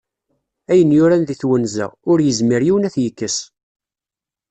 Ayen yuran deg twenza, ur yezmir yiwen ad t-yekkes.